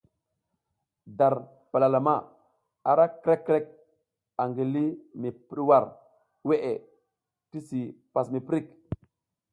Dar palalama ara krǝc krǝc angi li mi pǝɗwar weʼe tisi pas miprik.